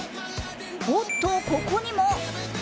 おっと、ここにも。